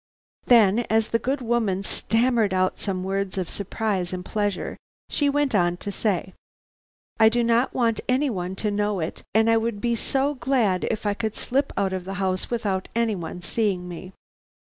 Then, as the good woman stammered out some words of surprise and pleasure, she went on to say: 'I do not want any one to know it, and I would be so glad if I could slip out of the house without any one seeing me.